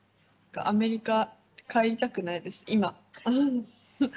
アメリカから帰りたくないです、今。